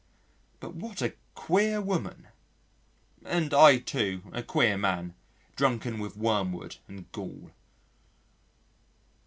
But what a queer woman!... [And I, too, a queer man, drunken with wormwood and gall.